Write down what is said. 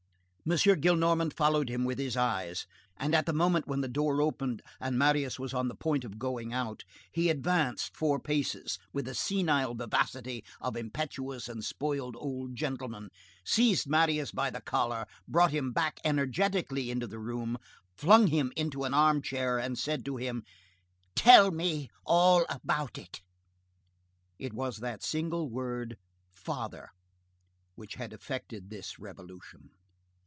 M. Gillenormand followed him with his eyes, and at the moment when the door opened, and Marius was on the point of going out, he advanced four paces, with the senile vivacity of impetuous and spoiled old gentlemen, seized Marius by the collar, brought him back energetically into the room, flung him into an armchair and said to him:— "Tell me all about it!" "It was that single word "father" which had effected this revolution.